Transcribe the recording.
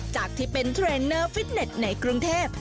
จากที่เป็นเทรนเนอร์ฟิตเน็ตในกรุงเทพ